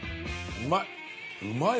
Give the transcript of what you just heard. うまい。